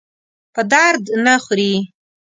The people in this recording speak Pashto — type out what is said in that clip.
په درد نه خوري.